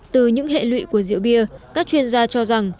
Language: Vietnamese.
từ những hệ lụy của rượu bia các chuyên gia cho rằng